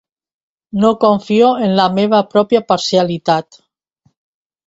No confio en la meva pròpia parcialitat.